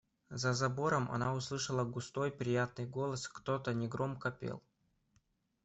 За забором она услышала густой приятный голос: кто-то негромко пел.